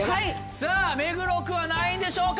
さぁ目黒区は何位でしょうか？